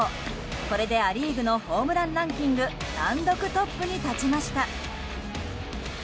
これでア・リーグのホームランランキング単独トップに立ちました。